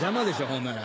ほんなら。